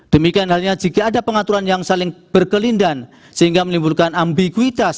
demikian halnya jika ada pengaturan yang saling berkelindan sehingga menimbulkan ambiguitas